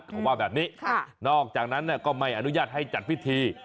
เขาว่าแบบนี้นอกจากนั้นก็ไม่อนุญาตให้จัดพิธี